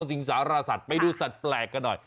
สิงสารสัตว์ไปดูสัตว์แปลกกันหน่อย